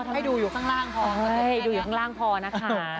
ให้ดูอยู่ข้างล่างพอก็จะให้ดูอยู่ข้างล่างพอนะคะ